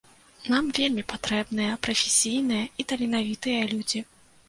Нам вельмі патрэбныя прафесійныя і таленавітыя людзі.